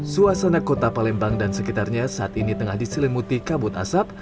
suasana kota palembang dan sekitarnya saat ini tengah diselimuti kabut asap